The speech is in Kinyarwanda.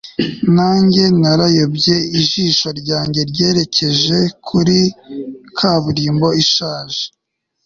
nanjye narayobye, ijisho ryanjye ryerekeje kuri kaburimbo ishaje